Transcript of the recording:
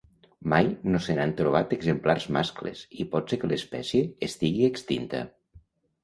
Mai no se n'han trobat exemplars mascles i pot ser que l'espècie estigui extinta.